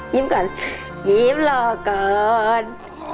ยิ้มก่อนยิ้มรอก่อน